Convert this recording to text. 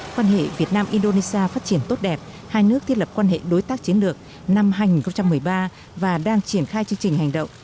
quan hệ việt nam indonesia phát triển tốt đẹp hai nước thiết lập quan hệ đối tác chiến lược năm hai nghìn một mươi ba và đang triển khai chương trình hành động